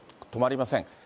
止まりません。